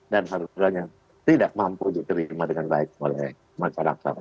dan harusnya tidak mampu diterima dengan baik oleh masyarakat